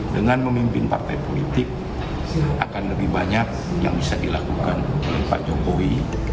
dengan memimpin partai politik akan lebih banyak yang bisa dilakukan oleh pak jokowi